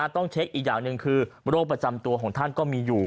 ต้องเช็คอีกอย่างหนึ่งคือโรคประจำตัวของท่านก็มีอยู่